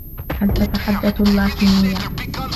هل تتحدث اللاتينية؟